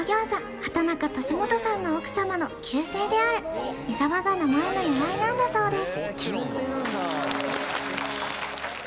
畑中利元さんの奥様の旧姓である湯沢が名前の由来なんだそうです